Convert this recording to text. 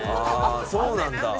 そうなんだ。